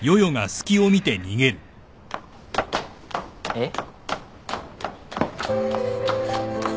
えっ？